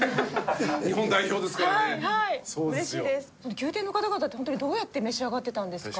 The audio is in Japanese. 宮廷の方々ってホントにどうやって召し上がってたんですか？